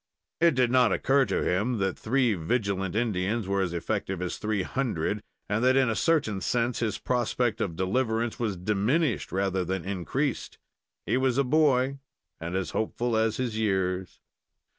It did not occur to him that three vigilant Indians were as effective as three hundred, and that in a certain sense his prospect of deliverance was diminished rather than increased. He was a boy and as hopeful as his years.